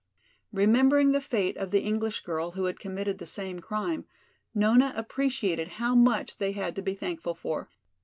Remembering the fate of the English girl who had committed the same crime, Nona appreciated how much they had to be thankful for.